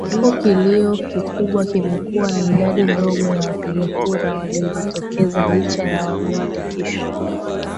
ambapo kilio kikubwa kimekuwa ni idadi ndogo ya wapiga kura waliojitokeza licha ya walioandikishwa